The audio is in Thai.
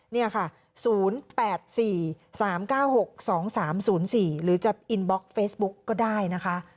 นี่ค่ะ๐๘๔๓๙๖๒๓๐๔หรือจะอินบล็อกเฟซบุ๊กก็ได้นะคะ